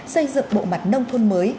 xây dựng bộ mặt nông thôn mới